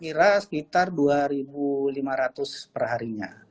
kira kira sekitar rp dua lima ratus perharinya